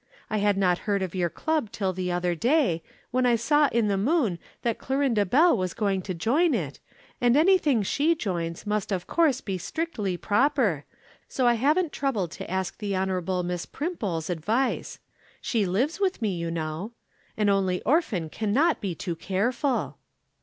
I had not heard of your Club till the other day, when I saw in the Moon that Clorinda Bell was going to join it, and anything she joins must of course be strictly proper, so I haven't troubled to ask the Honorable Miss Primpole's advice she lives with me, you know. An only orphan cannot be too careful!"